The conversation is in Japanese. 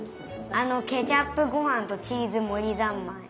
あのケチャップごはんとチーズもりざんまい。